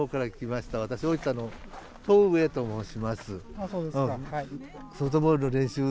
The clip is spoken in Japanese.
ああそうですか。